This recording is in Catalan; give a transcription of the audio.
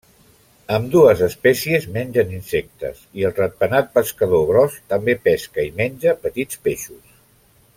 Ambdues espècies mengen insectes, i el ratpenat pescador gros també pesca i menja petits peixos.